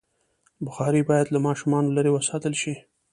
بخاري باید له ماشومانو لرې وساتل شي.